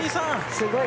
すごい。